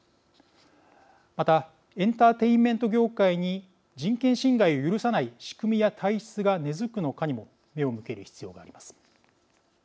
またエンターテインメント業界に人権侵害を許さない仕組みや体質が根づくのかにも目を向ける必要があります。